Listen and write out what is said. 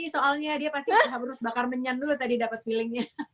soalnya dia pasti harus bakar menyan dulu tadi dapat feelingnya